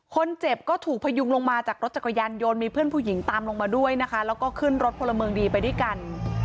คนเจ็บก็ถูกพยุงลงมาจากรถจักรยานยนต์มีเพื่อนผู้หญิงตามลงมาด้วยนะคะแล้วก็ขึ้นรถพลเมืองดีไปด้วยกัน